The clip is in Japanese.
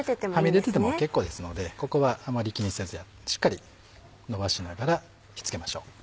はみ出てても結構ですのでここはあまり気にせずしっかりのばしながらひっつけましょう。